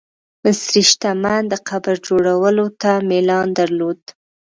مصري شتمن د قبر جوړولو ته میلان درلود.